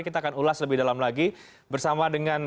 kita akan ulas lebih dalam lagi bersama dengan